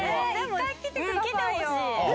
絶対来てほしい。来てほしい。